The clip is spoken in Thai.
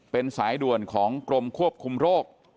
เป็นสายด่วนของกรมควบคุมโรค